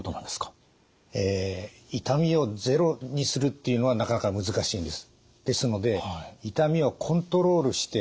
え痛みをゼロにするっていうのはなかなか難しいんです。